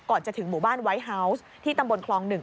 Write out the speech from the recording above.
ก่อนจะถึงหมู่บ้านไวท์ฮาวส์ที่ตำบลคลอง๑